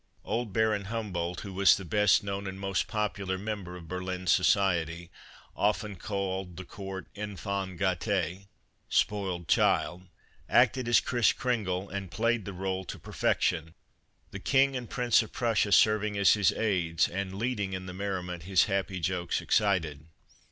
Old Baron Humboldt, who was the best known and most popular member of Berlin society, often called the court enfant gate (spoiled child), acted as Kris Kringle, and played the role to perfection, the King and Prince of Prussia serving as his aides and leading in the merriment his happy jokes excited.